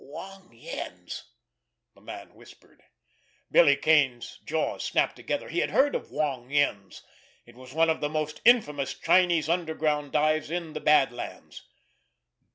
"Wong Yen's," the man whispered. Billy Kane's jaws snapped together. He had heard of Wong Yen's! It was one of the most infamous Chinese underground dives in the Bad Lands.